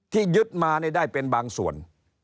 ที่ยึดมาได้เป็นบางส่วน